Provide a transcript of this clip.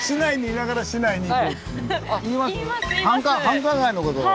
繁華街のことを。